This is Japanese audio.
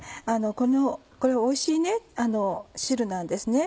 これはおいしい汁なんですね。